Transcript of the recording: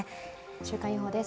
週間予報です。